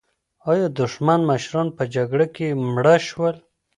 ایا دښمن مشران په جګړه کې مړه شول؟